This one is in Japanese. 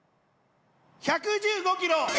１１５キロ。